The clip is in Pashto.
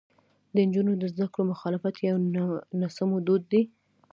د نجونو د زده کړو مخالفت یو ناسمو دود دی.